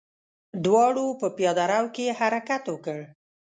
دواړو په پياده رو کې حرکت وکړ.